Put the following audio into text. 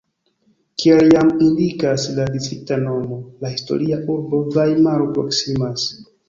Kiel jam indikas la distrikta nomo, la historia urbo Vajmaro proksimas.